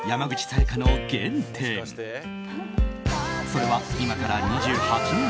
それは、今から２８年